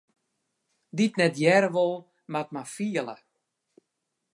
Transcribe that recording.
Dy't net hearre wol, moat mar fiele.